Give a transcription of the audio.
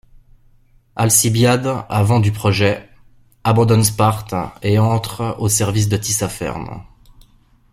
Alcibiade a vent du projet, abandonne Sparte et entre au service de Tissapherne.